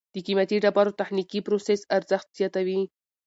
د قیمتي ډبرو تخنیکي پروسس ارزښت زیاتوي.